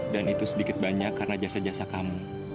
dan itu sedikit banyak karena jasa jasa kamu